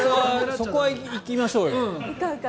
そこは行きましょうよ。